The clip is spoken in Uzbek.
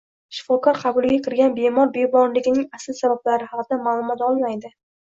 Shifokor qabuliga kirgan bemor bemorligining asl sabablari haqida ma’lumot olmaydi